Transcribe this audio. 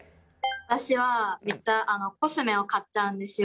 私はめっちゃコスメを買っちゃうんですよ。